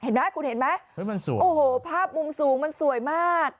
เห็นไหมคุณเห็นไหมมันสวยโอ้โหภาพมุมสูงมันสวยมาก